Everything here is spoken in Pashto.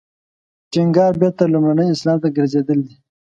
ټینګار بېرته لومړني اسلام ته ګرځېدل دی.